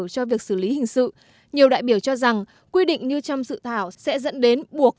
cho việc xử lý hình sự nhiều đại biểu cho rằng quy định như trong dự thảo sẽ dẫn đến buộc